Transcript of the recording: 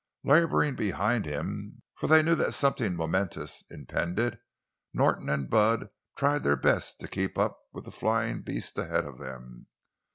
Laboring behind him, for they knew that something momentous impended, Norton and Bud tried their best to keep up with the flying beast ahead of them.